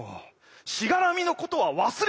しがらみのことは忘れ